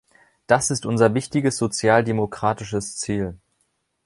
Das ist unser wichtiges sozialdemokratisches Ziel.